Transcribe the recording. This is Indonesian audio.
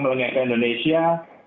melengah ke indonesia